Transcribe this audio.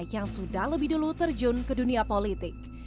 yang sudah lebih dulu terjun ke dunia politik